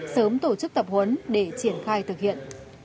sớm tổ chức tập huấn để triển khai thực hiện